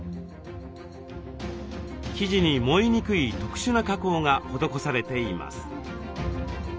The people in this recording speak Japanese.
生地に燃えにくい特殊な加工が施されています。